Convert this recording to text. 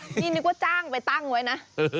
นี่นึกว่าจ้างไปตั้งไว้นะ